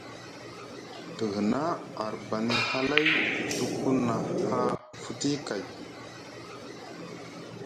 Te hna arbani halay tuku na haa futi kay.